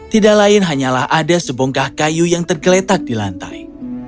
tidak lain hanyalah ada sebongkah kayu yang tergeletak di lantai